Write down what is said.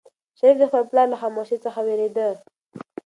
شریف د خپل پلار له خاموشۍ څخه وېرېده.